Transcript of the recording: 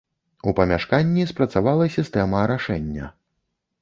У памяшканні спрацавала сістэма арашэння.